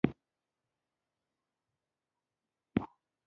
ایا ستاسو ټیم همغږی دی؟